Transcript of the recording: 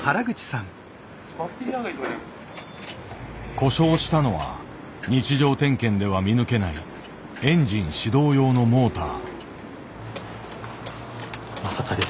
故障したのは日常点検では見抜けないエンジン始動用のモーター。